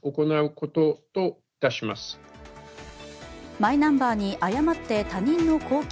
マイナンバーに誤って他人の公金